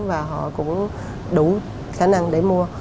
và họ cũng đủ khả năng để mua